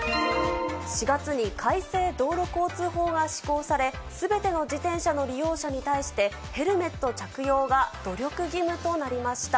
４月に改正道路交通法が施行され、すべての自転車の利用者に対して、ヘルメット着用が努力義務となりました。